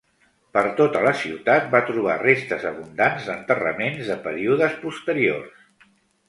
Per tota la ciutat va trobar restes abundants d'enterraments de períodes posteriors.